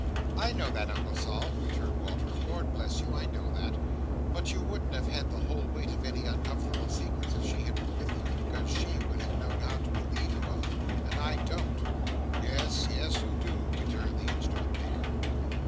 "I know that, Uncle Sol," returned Walter. "Lord bless you, I know that. But you wouldn't have had the whole weight of any uncomfortable secrets if she had been with you, because she would have known how to relieve you of 'em, and I don't." "Yes, yes, you do," returned the Instrument maker.